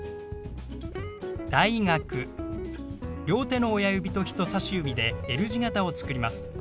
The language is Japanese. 両手の親指と人さし指でＬ字型を作ります。